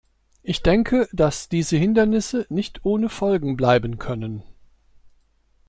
Ich denke, dass diese Hindernisse nicht ohne Folgen bleiben können.